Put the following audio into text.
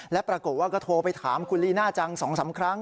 และปรากฏว่าก็โทรไปถามคุณลีน่าจัง๒๓ครั้ง